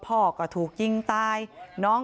โปรดติดตามต่อไป